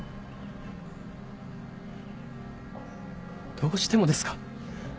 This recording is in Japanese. どうしてもですか？